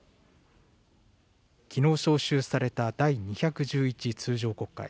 きのう召集された第２１１通常国会。